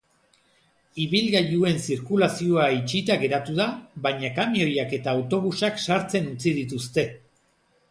Ibilgailuen zirkulazioa itxita geratu da, baina kamioiak eta autobusak sartzen utzi dituzte.